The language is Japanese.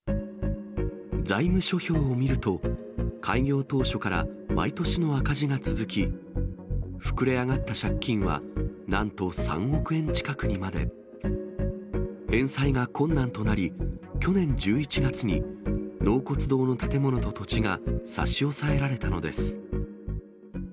財務諸表を見ると、開業当初から毎年の赤字が続き、膨れ上がった借金は、なんと３億円近くにまで。返済が困難となり、去年１１月に納骨堂の建物と土地が差し押さえられたのです。